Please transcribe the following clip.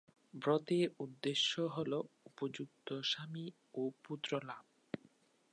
ব্রতের উদ্দেশ্য হল উপযুক্ত স্বামী ও পুত্র লাভ।